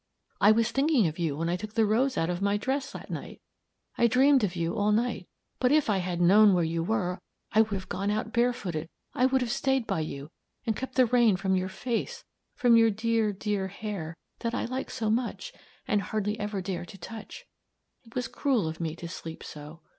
I was thinking of you when I took the rose out of my dress at night. I dreamed of you all night, but if I had known where you were, I would have gone out barefooted, I would have stayed by you and kept the rain from your face, from your dear, dear hair that I like so much and hardly ever dare to touch. It was cruel of me to sleep so.